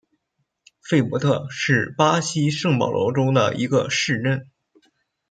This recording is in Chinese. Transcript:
博费特是巴西圣保罗州的一个市镇。